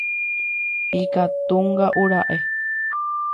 Ikatunga'ura'e